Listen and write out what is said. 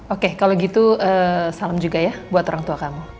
oke kalau gitu salam juga ya buat orang tua kamu